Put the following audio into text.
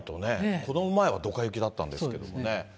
この前はドカ雪だったんですけどね。